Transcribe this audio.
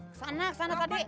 kesana kesana tadi